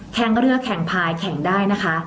แข่งเรือแข่งพายแข่งได้นะคะ